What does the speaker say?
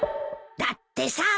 だってさ。